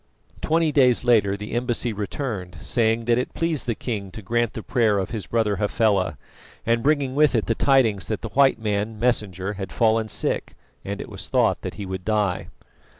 Twenty days later the embassy returned saying that it pleased the king to grant the prayer of his brother Hafela, and bringing with it the tidings that the white man, Messenger, had fallen sick, and it was thought that he would die.